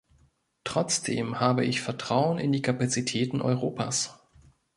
Trotzdem habe ich Vertrauen in die Kapazitäten Europas.